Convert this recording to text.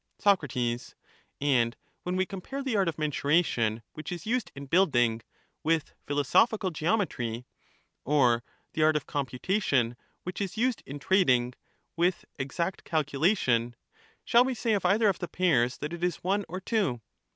Soc, And when we compare the art of mensuration which is used in building with philosophical geometry, or the art 57 of computation which is used in trading with exact calcula tion, shall we say of either of the pairs that it is one or two?